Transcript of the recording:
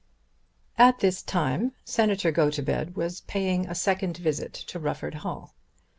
At this time Senator Gotobed was paying a second visit to Rufford Hall.